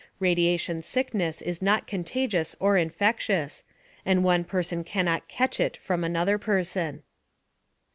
Radiation sickness is not contagious or infectious, and one person cannot "catch it" from another person.